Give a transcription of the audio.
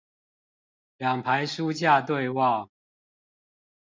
兩排書架對望